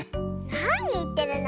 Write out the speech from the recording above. なにいってるの。